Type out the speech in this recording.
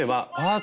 あ